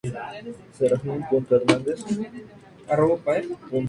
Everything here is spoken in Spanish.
Jugaba de Delantero.